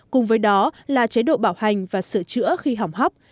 cùng với đó là chế độ bảo hành và sửa chữa khi hỏng hóc